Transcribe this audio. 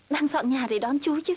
đang dọn nhà để đón chú chứ sao